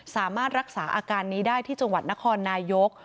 สามารถรักษาอาการนี้ได้ที่จังหวัดนครนายก